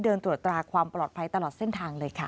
เดินตรวจตราความปลอดภัยตลอดเส้นทาง